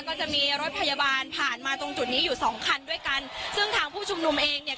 ก็จะมีรถพยาบาลผ่านมาตรงจุดนี้อยู่สองคันด้วยกันซึ่งทางผู้ชุมนุมเองเนี่ย